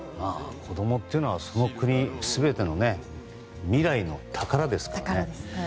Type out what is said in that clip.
子供っていうのはその国全ての未来の宝ですからね。